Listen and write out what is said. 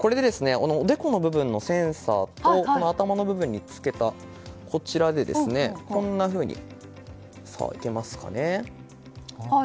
おでこの部分のセンサーと頭の部分に着けたこちらでこんなふうにいけますかね。